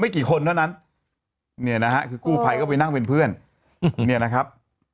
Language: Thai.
กี่คนเท่านั้นเนี่ยนะฮะคือกู้ภัยก็ไปนั่งเป็นเพื่อนเนี่ยนะครับ